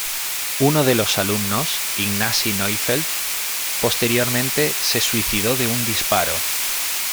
Uno de los alumnos, Ignacy Neufeld, posteriormente se suicidó de un disparo.